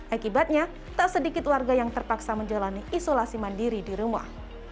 akibatnya tak sedikit warga yang terpaksa menjalani isolasi mandiri di rumah